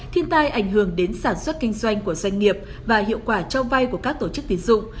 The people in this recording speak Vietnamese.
thiên tai ảnh hưởng đến sản xuất kinh doanh của doanh nghiệp và hiệu quả cho vay của các tổ chức tiến dụng